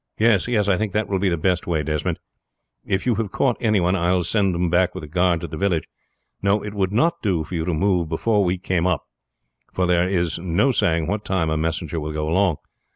"Yes, that will be the best way, Desmond. If you have caught any one I will send them back with a guard to the village. No, it would not do for you to move before we come up, for there is no saying what time a messenger will go along.